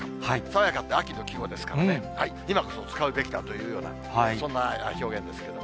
爽やかって、秋の季語ですからね、今こそ使うべきかというような、そんな表現ですけど。